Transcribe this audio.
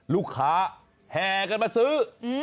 ลูกค้าแห่กันมาซื้อ